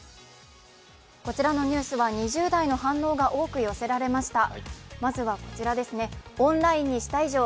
こちらのニュースは２０代の反応が多く寄せられました。